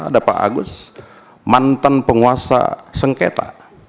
ada pak agus mantan penguasa sengketa